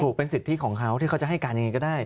เป็นสิทธิของเขาที่เขาจะให้การยังไงก็ได้